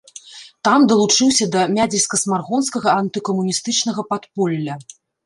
Там далучыўся да мядзельска-смаргонскага антыкамуністычнага падполля.